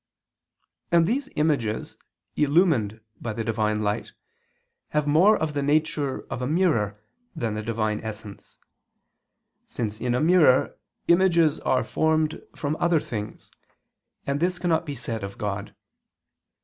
And these images illumined by the Divine light have more of the nature of a mirror than the Divine essence: since in a mirror images are formed from other things, and this cannot be said of God.